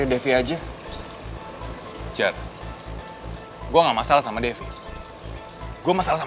dapet usahaoya apa kesih